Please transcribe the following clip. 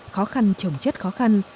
khó khăn chống chất khó khăn